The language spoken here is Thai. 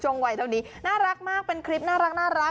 น่ารักมากเป็นคลิปน่ารัก